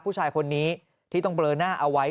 ผู้ชายคนนี้ที่ต้องเบลอหน้าเอาไว้